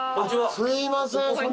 すいません。